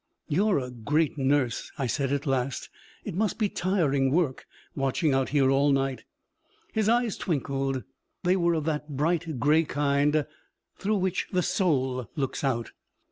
'You're a great nurse!' I said at last. 'It must be tiring work, watching out here all night.' His eyes twinkled; they were of that bright gray kind through which the soul looks out.